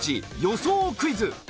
予想クイズ。